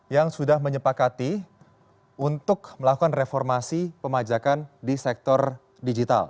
yang sudah menyepakati untuk melakukan reformasi pemajakan di sektor digital